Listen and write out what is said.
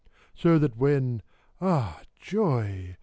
So that when (Ah, joy